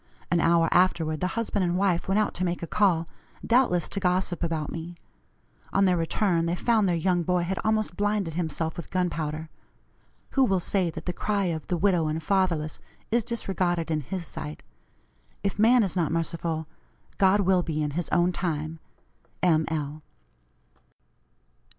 An hour afterward the husband and wife went out to make a call, doubtless to gossip about me; on their return they found their young boy had almost blinded himself with gunpowder. Who will say that the cry of the 'widow and fatherless' is disregarded in His sight! If man is not merciful, God will be in his own time. M. L."